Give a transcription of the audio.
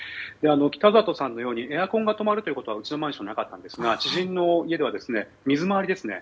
北里さんのようにエアコンが止まるようなことはうちのマンションではなかったんですが知人の家では水回りですね